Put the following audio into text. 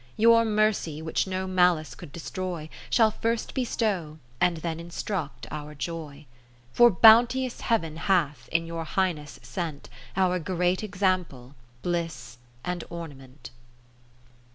o Your mercy, which no malice could destroy, Shall first bestow, and then in struct, our joy. For bounteous Heav'n hath, in your Highness sent Our great example, bliss and orna ment.